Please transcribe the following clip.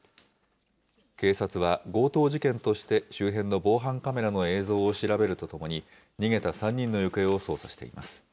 警察は強盗事件として、周辺の防犯カメラの映像を調べるとともに、逃げた３人の行方を捜査しています。